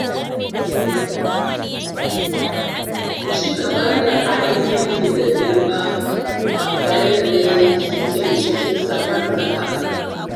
Ci gaban halin kirki da girma a bayyane suke cikin samartaka.